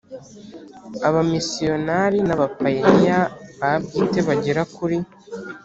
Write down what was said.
abamisiyonari n abapayiniya ba bwite bagera kuri